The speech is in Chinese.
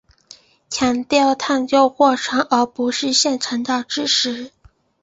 强调探究过程而不是现成的知识。